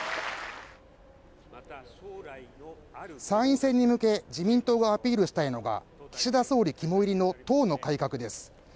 参院選に向け、自民党がアピールしたいのが岸田総理肝煎りの党の改革です。